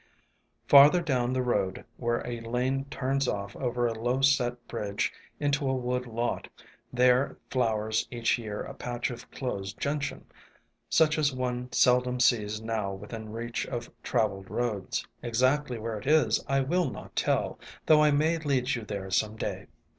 Farther down the road, where a lane turns off over a low set bridge into a wood lot, there flowers each year a patch of Closed Gentian, such as one seldom sees now within reach of travelled roads. Exactly where it is I will not tell, though I may lead you there some day.